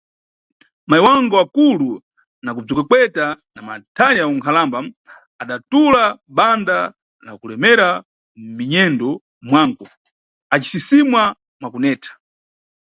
Mayi wangu akulu na kubzikwekweta na mathanya ya unkhalamba, adatula banda la kulemera mʼminyendo mwangu acisisima mwa kuneta.